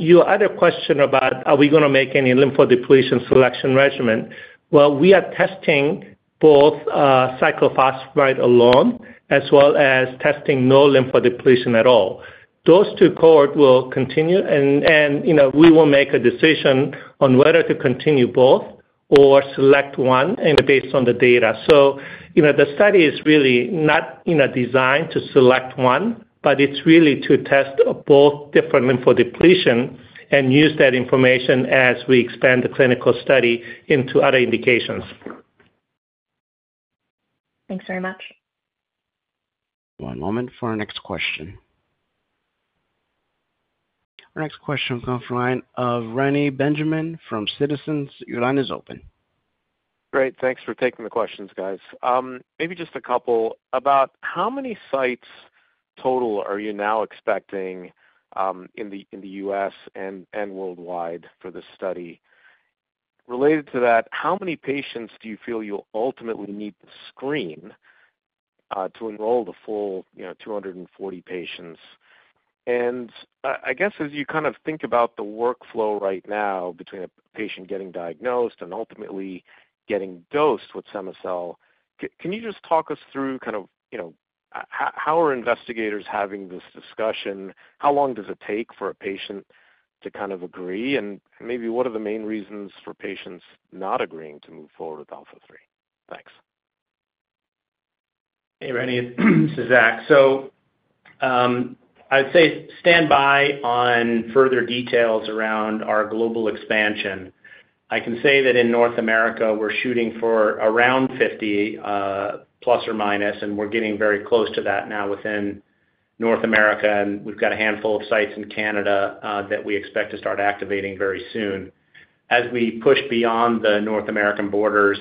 Speaker 3: Your other question about, are we going to make any lymphodepletion selection regimen? We are testing both cyclophosphamide alone as well as testing no lymphodepletion at all. Those two cohorts will continue, and we will make a decision on whether to continue both or select one based on the data. The study is really not designed to select one, but it is really to test both different lymphodepletion and use that information as we expand the clinical study into other indications.
Speaker 11: Thanks very much.
Speaker 1: One moment for our next question. Our next question will come from Reni Benjamin from Citizens. Your line is open.
Speaker 12: Great. Thanks for taking the questions, guys. Maybe just a couple. About how many sites total are you now expecting in the U.S. and worldwide for this study? Related to that, how many patients do you feel you'll ultimately need to screen to enroll the full 240 patients? I guess as you kind of think about the workflow right now between a patient getting diagnosed and ultimately getting dosed with cema-cel, can you just talk us through kind of how are investigators having this discussion? How long does it take for a patient to kind of agree? Maybe what are the main reasons for patients not agreeing to move forward with ALPHA3? Thanks.
Speaker 4: Hey, Reni. This is Zach. I'd say stand by on further details around our global expansion. I can say that in North America, we're shooting for around 50 plus or minus, and we're getting very close to that now within North America. We've got a handful of sites in Canada that we expect to start activating very soon. As we push beyond the North American borders,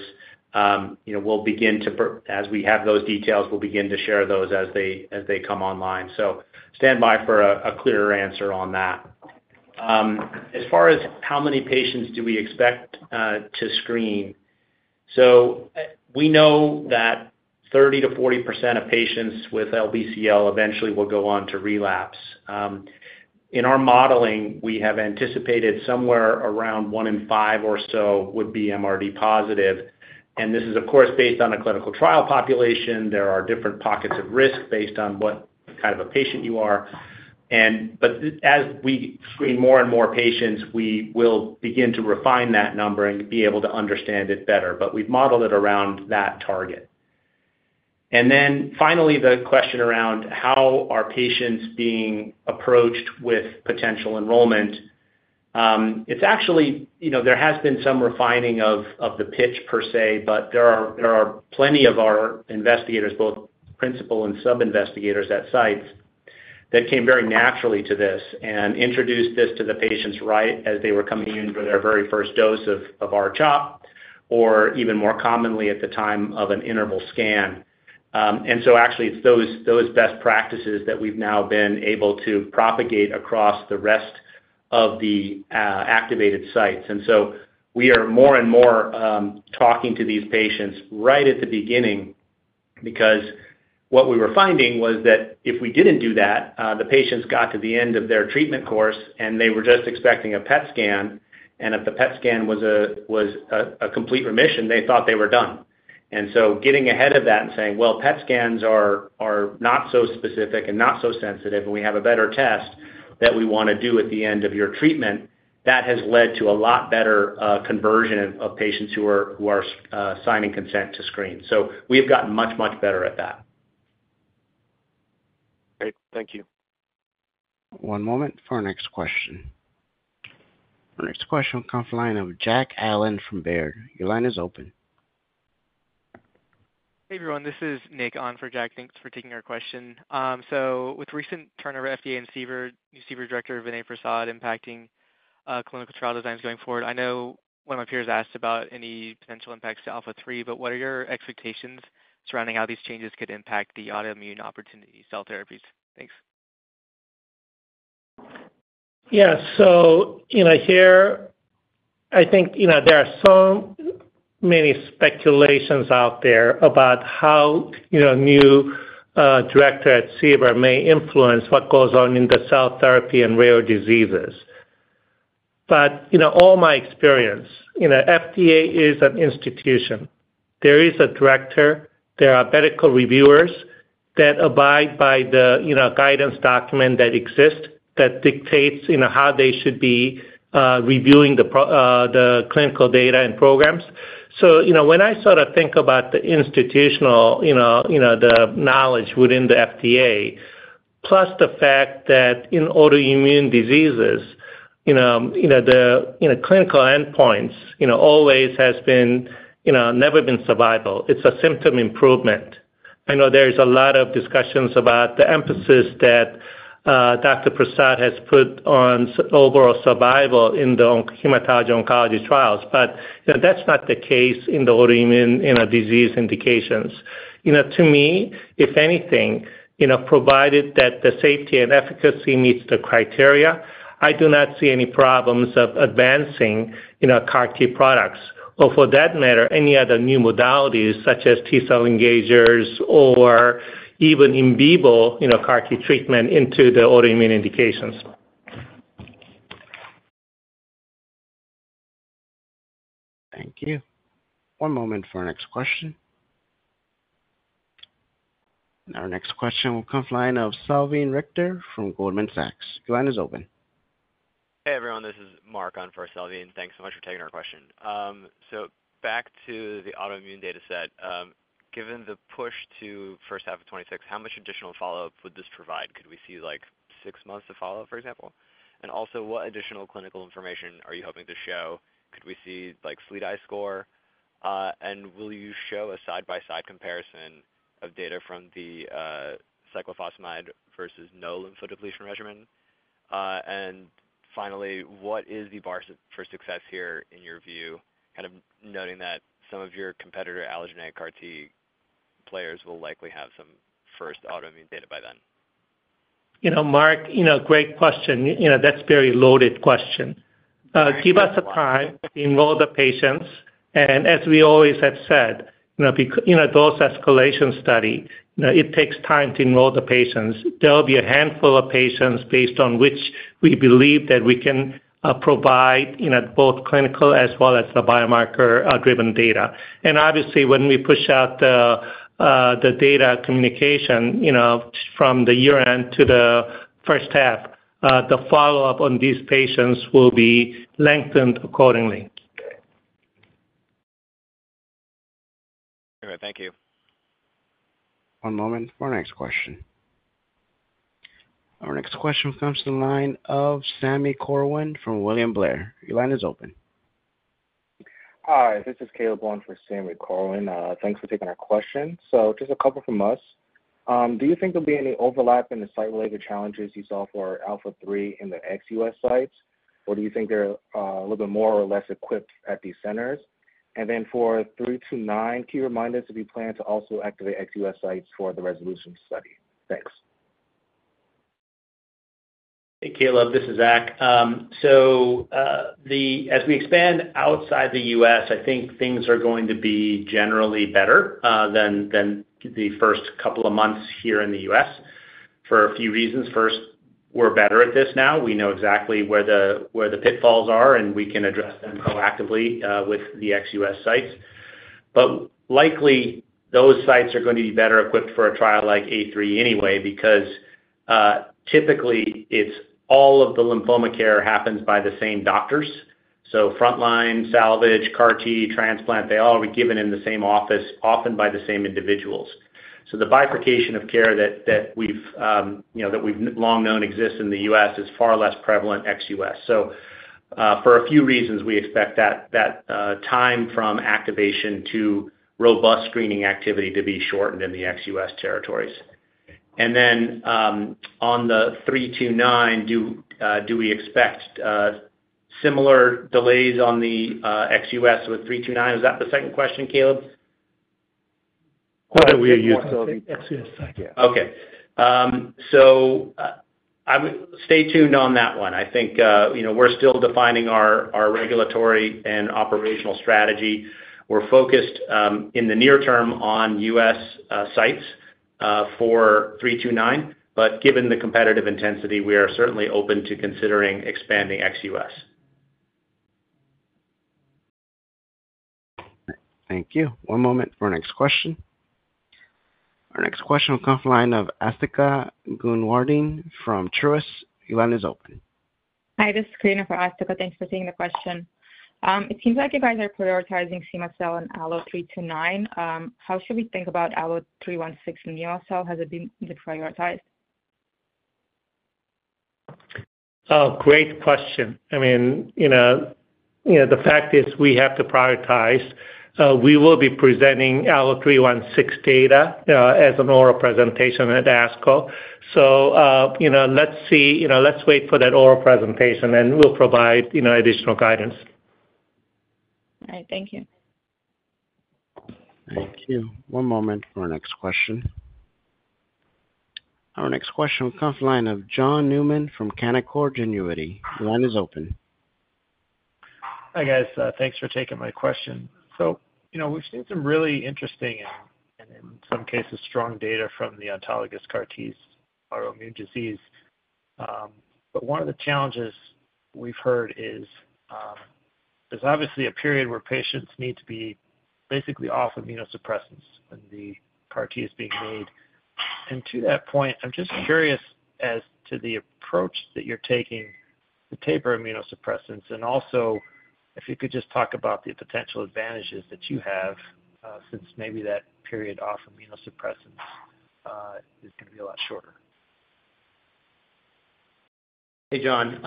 Speaker 4: as we have those details, we'll begin to share those as they come online. Stand by for a clearer answer on that. As far as how many patients do we expect to screen, we know that 30%-40% of patients with LBCL eventually will go on to relapse. In our modeling, we have anticipated somewhere around one in five or so would be MRD positive. This is, of course, based on a clinical trial population. There are different pockets of risk based on what kind of a patient you are. As we screen more and more patients, we will begin to refine that number and be able to understand it better. We have modeled it around that target. Finally, the question around how are patients being approached with potential enrollment? Actually, there has been some refining of the pitch per se, but there are plenty of our investigators, both principal and sub-investigators at sites, that came very naturally to this and introduced this to the patients right as they were coming in for their very first dose of R-CHOP or even more commonly at the time of an interval scan. Actually, it's those best practices that we've now been able to propagate across the rest of the activated sites. We are more and more talking to these patients right at the beginning because what we were finding was that if we did not do that, the patients got to the end of their treatment course, and they were just expecting a PET scan. If the PET scan was a complete remission, they thought they were done. Getting ahead of that and saying, "PET scans are not so specific and not so sensitive, and we have a better test that we want to do at the end of your treatment," that has led to a lot better conversion of patients who are signing consent to screen. We have gotten much, much better at that.
Speaker 12: Great. Thank you.
Speaker 1: One moment for our next question. Our next question will come from the line of Jack Allen from Baird. Your line is open.
Speaker 13: Hey, everyone. This is Nick on for Jack. Thanks for taking our question. With recent turnover at FDA and CBER, new CBER director, Vinay Prasad, impacting clinical trial designs going forward, I know one of my peers asked about any potential impacts to ALPHA3, but what are your expectations surrounding how these changes could impact the autoimmune opportunity cell therapies? Thanks.
Speaker 3: Yeah. Here, I think there are so many speculations out there about how the new director at CBER may influence what goes on in cell therapy and rare diseases. All my experience, FDA is an institution. There is a director. There are medical reviewers that abide by the guidance document that exists that dictates how they should be reviewing the clinical data and programs. When I sort of think about the institutional, the knowledge within the FDA, plus the fact that in autoimmune diseases, the clinical endpoints always has been, never been survival. It's a symptom improvement. I know there's a lot of discussions about the emphasis that Dr. Prasad has put on overall survival in the hematology-oncology trials, but that's not the case in the autoimmune disease indications. To me, if anything, provided that the safety and efficacy meets the criteria, I do not see any problems of advancing CAR T products or, for that matter, any other new modalities such as T-cell engagers or even in vivo CAR T treatment into the autoimmune indications.
Speaker 1: Thank you. One moment for our next question. Our next question will come from the line of Salveen Richter from Goldman Sachs. Your line is open.
Speaker 14: Hey, everyone. This is Mark on for Salveen. Thanks so much for taking our question. Back to the autoimmune dataset, given the push to first half of 2026, how much additional follow-up would this provide? Could we see six months of follow-up, for example? Also, what additional clinical information are you hoping to show? Could we see SLEDAI score? Will you show a side-by-side comparison of data from the cyclophosphamide versus no lymphodepletion regimen? Finally, what is the bar for success here in your view, kind of noting that some of your competitor allogeneic CAR T players will likely have some first autoimmune data by then?
Speaker 3: Mark, great question. That's a very loaded question. Give us a time to enroll the patients. As we always have said, those escalation studies, it takes time to enroll the patients. There will be a handful of patients based on which we believe that we can provide both clinical as well as the biomarker-driven data. Obviously, when we push out the data communication from the year-end to the first half, the follow-up on these patients will be lengthened accordingly.
Speaker 14: Very good. Thank you.
Speaker 1: One moment for our next question. Our next question comes from the line of Sami Corwin from William Blair. Your line is open.
Speaker 15: Hi. This is Caleb Kawun from Sami Corwin. Thanks for taking our question. Just a couple from us. Do you think there'll be any overlap in the site-related challenges you saw for ALPHA3 in the ex-U.S. sites, or do you think they're a little bit more or less equipped at these centers? For 329, can you remind us if you plan to also activate ex-U.S. sites for the RESOLUTION trial? Thanks.
Speaker 4: Hey, Caleb. This is Zach. As we expand outside the U.S., I think things are going to be generally better than the first couple of months here in the U.S. for a few reasons. First, we're better at this now. We know exactly where the pitfalls are, and we can address them proactively with the ex-U.S. sites. Likely, those sites are going to be better equipped for a trial like A3 anyway because typically, all of the lymphoma care happens by the same doctors. Frontline, salvage, CAR T, transplant, they all are given in the same office, often by the same individuals. The bifurcation of care that we've long known exists in the U.S. is far less prevalent ex-U.S. For a few reasons, we expect that time from activation to robust screening activity to be shortened in the ex-U.S. territories. On the three to nine, do we expect similar delays on the ex-U.S. with three to nine? Was that the second question, Caleb?
Speaker 15: We're using ex-U.S. site. Yeah.
Speaker 4: Okay. Stay tuned on that one. I think we're still defining our regulatory and operational strategy. We're focused in the near term on U.S. sites for three to nine. Given the competitive intensity, we are certainly open to considering expanding ex-U.S.
Speaker 1: Thank you. One moment for our next question. Our next question will come from the line of Asthika Goonewardene from Truist. Your line is open.
Speaker 16: Hi. This is Karina for Asthika. Thanks for taking the question. It seems like you guys are prioritizing cema-cel and ALLO-329. How should we think about ALLO-316 and NeoCell? Has it been deprioritized? Oh, great question. I mean, the fact is we have to prioritize. We will be presenting ALLO-316 data as an oral presentation at ASCO. Let's see. Let's wait for that oral presentation, and we'll provide additional guidance.
Speaker 17: All right. Thank you.
Speaker 1: Thank you. One moment for our next question. Our next question will come from the line of John Newman from Canaccord Genuity. Your line is open.
Speaker 18: Hi guys. Thanks for taking my question. We've seen some really interesting and, in some cases, strong data from the autologous CAR Ts, autoimmune disease. One of the challenges we've heard is there's obviously a period where patients need to be basically off immunosuppressants when the CAR T is being made. To that point, I'm just curious as to the approach that you're taking to taper immunosuppressants and also if you could just talk about the potential advantages that you have since maybe that period off immunosuppressants is going to be a lot shorter.
Speaker 4: Hey, John.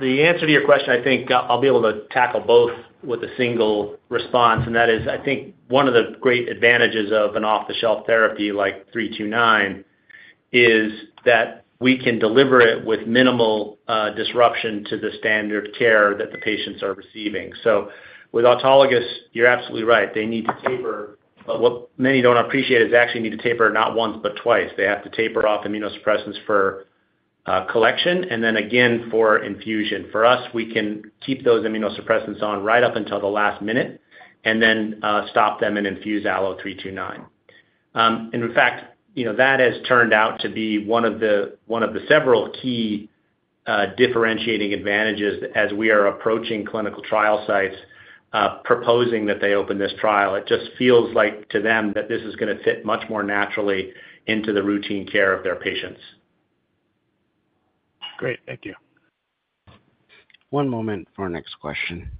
Speaker 4: The answer to your question, I think I'll be able to tackle both with a single response. That is, I think one of the great advantages of an off-the-shelf therapy like 329 is that we can deliver it with minimal disruption to the standard care that the patients are receiving. With autologous, you're absolutely right. They need to taper. What many do not appreciate is they actually need to taper not once, but twice. They have to taper off immunosuppressants for collection and then again for infusion. For us, we can keep those immunosuppressants on right up until the last minute and then stop them and infuse ALLO-329. In fact, that has turned out to be one of the several key differentiating advantages as we are approaching clinical trial sites proposing that they open this trial. It just feels like to them that this is going to fit much more naturally into the routine care of their patients.
Speaker 18: Great. Thank you.
Speaker 1: One moment for our next question.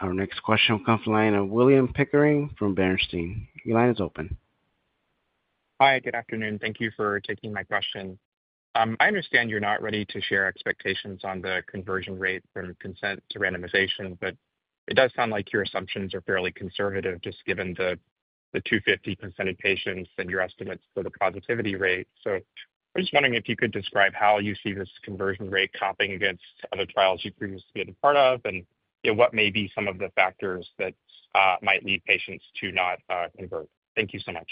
Speaker 1: Our next question will come from the line of William Pickering from Bernstein. Your line is open.
Speaker 17: Hi. Good afternoon. Thank you for taking my question. I understand you're not ready to share expectations on the conversion rate from consent to randomization, but it does sound like your assumptions are fairly conservative just given the 250 consented patients and your estimates for the positivity rate. I'm just wondering if you could describe how you see this conversion rate topping against other trials you previously have been part of and what may be some of the factors that might lead patients to not convert. Thank you so much.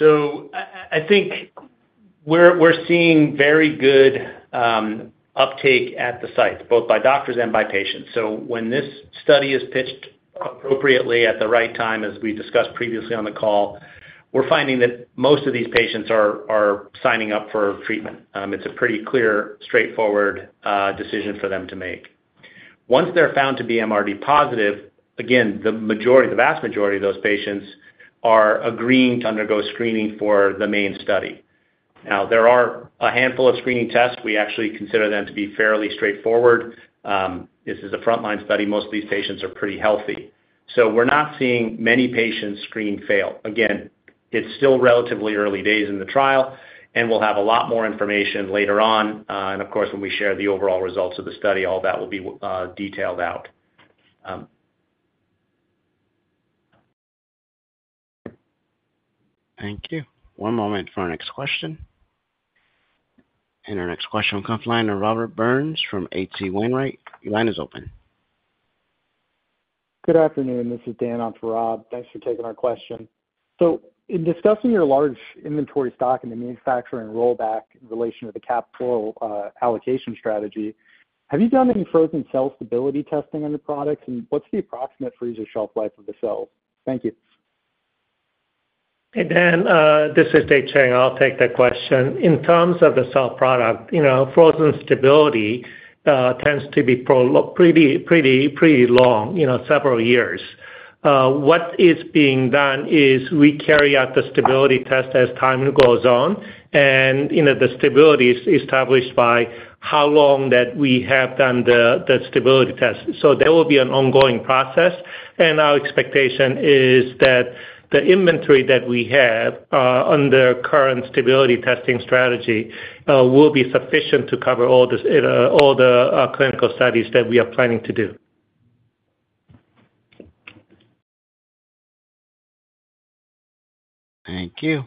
Speaker 4: I think we're seeing very good uptake at the sites, both by doctors and by patients. When this study is pitched appropriately at the right time, as we discussed previously on the call, we're finding that most of these patients are signing up for treatment. It's a pretty clear, straightforward decision for them to make. Once they're found to be MRD positive, again, the vast majority of those patients are agreeing to undergo screening for the main study. Now, there are a handful of screening tests. We actually consider them to be fairly straightforward. This is a frontline study. Most of these patients are pretty healthy. We're not seeing many patients screen fail. Again, it's still relatively early days in the trial, and we'll have a lot more information later on. Of course, when we share the overall results of the study, all that will be detailed out.
Speaker 17: Thank you.
Speaker 1: One moment for our next question. Our next question will come from the line of Robert Burns from H.C. Wainwright. Your line is open.
Speaker 19: Good afternoon. This is Dan on for Rob. Thanks for taking our question. In discussing your large inventory stock and the manufacturing rollback in relation to the cap pool allocation strategy, have you done any frozen cell stability testing on your products, and what's the approximate freezer shelf life of the cells? Thank you.
Speaker 3: Hey, Dan. This is Dave Chang. I'll take the question. In terms of the cell product, frozen stability tends to be pretty long, several years. What is being done is we carry out the stability test as time goes on, and the stability is established by how long that we have done the stability test. There will be an ongoing process. Our expectation is that the inventory that we have under current stability testing strategy will be sufficient to cover all the clinical studies that we are planning to do.
Speaker 1: Thank you.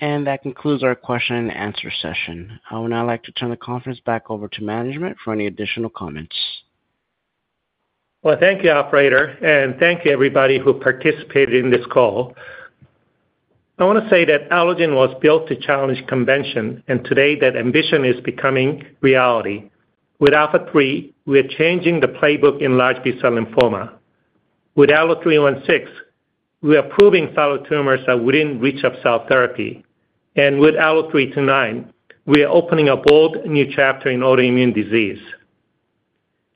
Speaker 1: That concludes our question and answer session. I would now like to turn the conference back over to management for any additional comments.
Speaker 3: Thank you, operator. Thank you, everybody who participated in this call. I want to say that Allogene Therapeutics was built to challenge convention, and today that ambition is becoming reality. With ALPHA3, we are changing the playbook in large B-cell lymphoma. With ALLO-316, we are proving solid tumors that would not reach up cell therapy. With ALLO-329, we are opening a bold new chapter in autoimmune disease.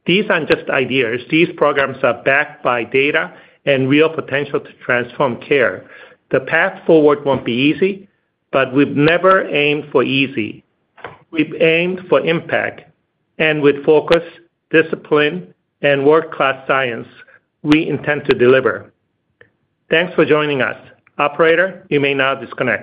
Speaker 3: These are not just ideas. These programs are backed by data and real potential to transform care. The path forward will not be easy, but we have never aimed for easy. We have aimed for impact. With focus, discipline, and world-class science, we intend to deliver. Thanks for joining us. Operator, you may now disconnect.